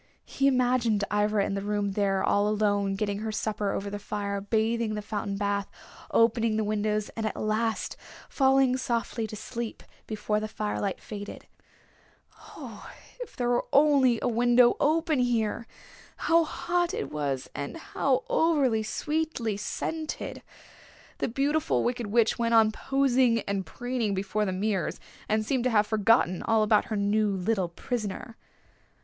He imagined Ivra in the room there all alone getting her supper over the fire, bathing in the fountain bath, opening the windows, and at last falling softly to sleep before the firelight faded. Oh, if there were only a window open here! How hot it was, and how over sweetly scented! The Beautiful Wicked Witch went on posing and preening before the mirrors, and seemed to have forgotten all about her new little prisoner.